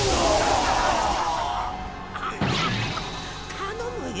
頼むよ